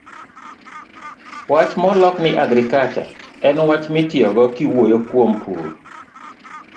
wach molok ni "agriculture" en wach mitiyogo kiwuoyo kuom pur.